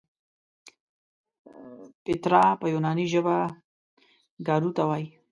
پیترا په یوناني ژبه ګارو ته وایي.